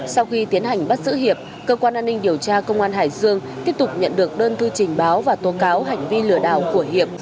sau khi tiến hành bắt giữ hiệp cơ quan an ninh điều tra công an hải dương tiếp tục nhận được đơn thư trình báo và tố cáo hành vi lừa đào của hiệp